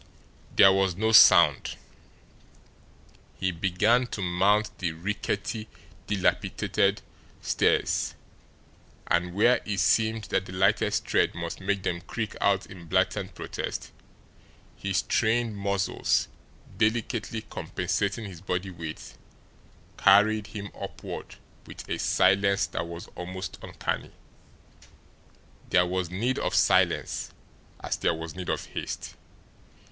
There was no sound. He began to mount the rickety, dilapidated stairs; and, where it seemed that the lightest tread must make them creak out in blatant protest, his trained muscles, delicately compensating his body weight, carried him upward with a silence that was almost uncanny. There was need of silence, as there was need of haste.